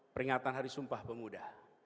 peringatan hari sumpah pemuda